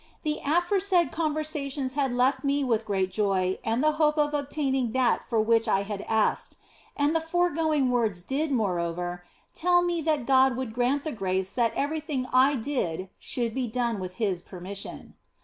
The aforesaid conversations had left me with great joy and the hope of obtaining that for which I had asked, and the foregoing words did, moreover, tell me that God would grant the grace that everything I did should be done with His permission.